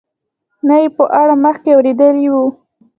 نه یې په اړه مخکې اورېدلي وو.